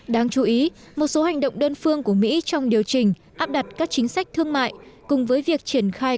đáng chú ý một số hành động đơn phương của mỹ trong điều chỉnh áp đặt các chính sách thương mại cùng với việc triển khai